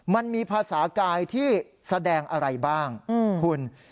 มันมีภาษากายที่แสดงอะไรบ้างคุณ